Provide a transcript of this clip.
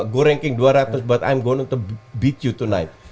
gue ranking dua ratus tapi gue bakal menangin lu malam ini